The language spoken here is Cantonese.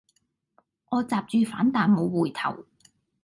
我閘住反彈無回頭